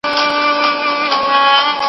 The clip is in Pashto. هغه سړی تل خپلي چارې په پوره هوښیارۍ سره کوی.